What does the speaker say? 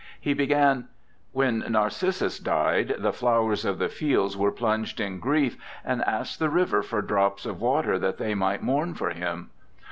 He began: 'When Narcissus died, the Flowers of the Fields were plunged in grief, and asked the River for drops of water that they might mourn for him.